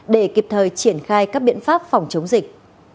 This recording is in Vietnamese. để kịp thời triển khai các biện pháp phòng chống dịch